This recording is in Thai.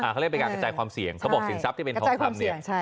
เขาเรียกเป็นการกระจายความเสี่ยงเขาบอกสินทรัพย์ที่เป็นทองคำเนี่ย